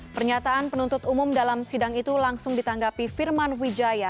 pernyataan penuntut umum dalam sidang itu langsung ditanggapi firman wijaya